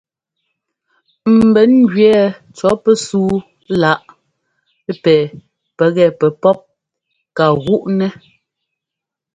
Ḿbɛn ŋgẅɛɛ cɔ̌ pɛsúu láꞌ pɛ pɛgɛ pɛpɔ́p ka gúꞌnɛ́.